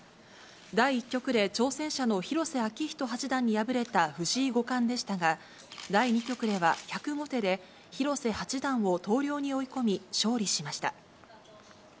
第１局で挑戦者の広瀬章人八段に敗れた藤井五冠でしたが、第２局では１０５手で広瀬八段を投了に追い込み、勝利しました。